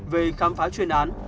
về khám phá chuyên án